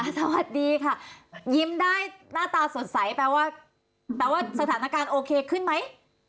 สวัสดีค่ะยิ้มได้หน้าตาสดใสแปลว่าแปลว่าสถานการณ์โอเคขึ้นไหม